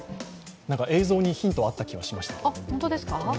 映像にヒントがあったような気がしました。